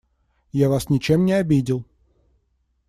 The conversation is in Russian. Я вас ничем не обидел.